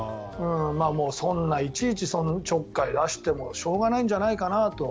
そんないちいちちょっかい出してもしょうがないんじゃないかなと。